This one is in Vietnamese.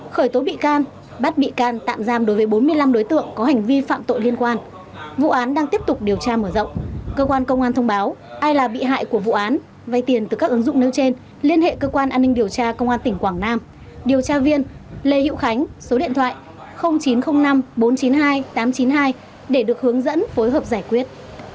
khởi tố bị can bắt bị can tạm giam đối với bốn mươi năm đối tượng có hành vi phạm tội liên quan vụ án đang tiếp tục điều tra mở rộng cơ quan công an thông báo ai là bị hại của vụ án vay tiền từ các ứng dụng nếu trên liên hệ cơ quan an ninh điều tra công an tỉnh quảng nam điều tra viên lê hữu khánh số điện thoại chín trăm linh năm bốn trăm chín mươi hai tám trăm chín mươi hai để được hướng dẫn phối hợp giải quyết